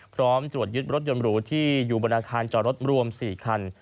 พร้อมตรวจยึดรถยนต์หรูที่อยู่บนอาคารจอดรถรวม๔คัน